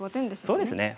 そうですね